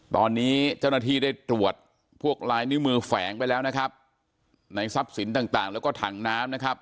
ตอนนี้เจ้าหน้าที่ได้ตรวจพวกลายนิ้วมือแฝงไปแล้วนะครับในทรัพย์สินต่างต่างแล้วก็ถังน้ำนะครับ